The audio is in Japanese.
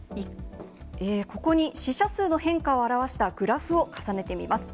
ここに、死者数の変化を表したグラフを重ねてみます。